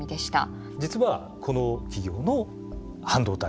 実はこの企業の半導体。